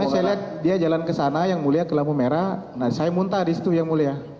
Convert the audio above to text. saya lihat dia jalan ke sana yang mulia ke lampu merah nah saya muntah di situ yang mulia